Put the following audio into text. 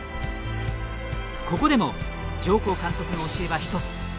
ここでも上甲監督の教えは一つ。